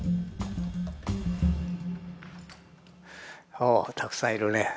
おおたくさんいるね。